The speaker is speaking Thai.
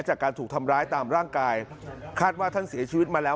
จากการถูกทำร้ายตามร่างกายคาดว่าท่านเสียชีวิตมาแล้ว